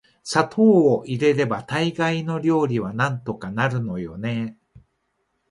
砂糖を入れれば大概の料理はなんとかなるのよね～